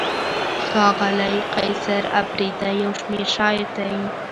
ښاغلی قیصر اپریدی یو شمېر شاعر دی.